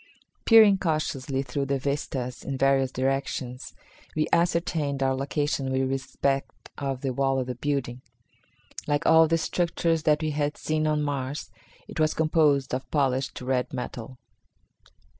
Peering cautiously through the vistas in various directions, we ascertained our location with respect to the wall of the building. Like all the structures that we had seen on Mars, it was composed of polished red metal.